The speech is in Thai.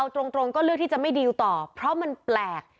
ตรงก็เลือกที่จะไม่ดีลต่อเพราะมันแปลก